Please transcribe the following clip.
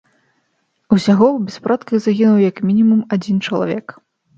Усяго ў беспарадках загінуў як мінімум адзін чалавек.